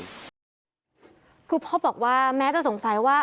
คือพ่อบอกว่าแม้จะสงสัยว่า